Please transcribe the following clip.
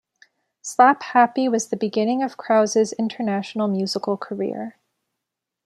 Slapp Happy was the beginning of Krause's international musical career.